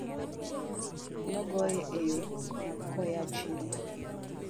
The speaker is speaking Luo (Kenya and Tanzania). Nogoye e yoo koyaa chiro